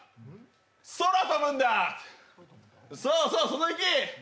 空飛ぶんだそうそう、その意気。